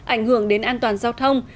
ảnh hưởng đến an toàn giao thông